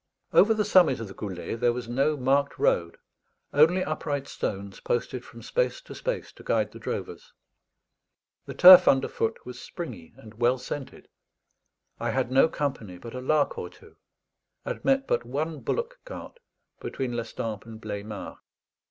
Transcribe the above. Over the summit of the Goulet there was no marked road only upright stones posted from space to space to guide the drovers. The turf underfoot was springy and well scented. I had no company but a lark or two, and met but one bullock cart between Lestampes and Bleymard.